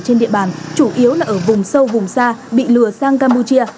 trên địa bàn chủ yếu là ở vùng sâu vùng xa bị lừa sang campuchia